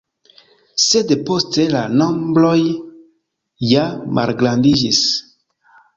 Sed poste la nombroj ja malgrandiĝis.